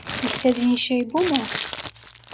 İstediğin şey bu mu?